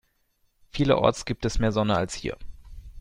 Vielerorts gibt es mehr Sonne als hier.